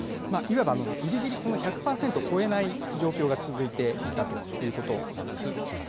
いわばぎりぎり１００％を超えない状況が続いていたということなんです。